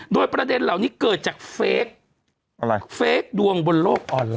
โดยประเด็นเหล่านี้เกิดจากเฟคดวงบนโลกออนไลน